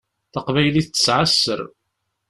Taqbaylit tesεa sser.